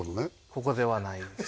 ここではないですね